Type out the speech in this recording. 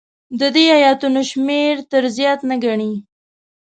د دې ایتونو شمېر تر زیات نه ګڼي.